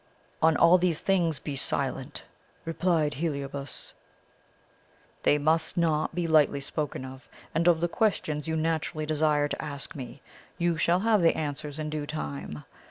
"'On all these things be silent,' replied Heliobas. 'They must not be lightly spoken of. And of the questions you naturally desire to ask me, you shall have the answers in due time.